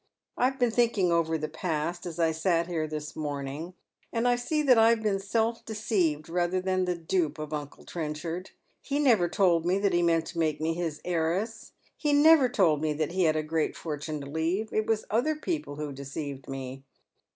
1 have been thinking over the past as I sat here this morning, and I see that I have been self deceived rather than the dupe of uncle Trenchard. He never told me that he meant to make me his heiress. He never told me that he had a great fortune to leave. It was other people who deceived me.